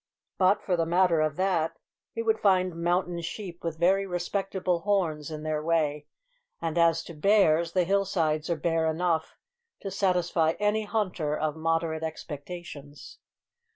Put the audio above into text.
But, for the matter of that, he would find mountain sheep with very respectable horns in their way; and, as to bears, the hill sides are bare enough to satisfy any hunter of moderate expectations.